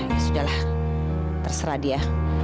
ya sudah lah terserah dia